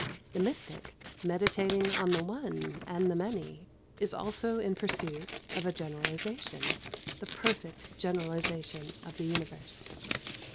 The mystic, meditating on the One and the Many, is also in pursuit of a generalisation the perfect generalisation of the universe.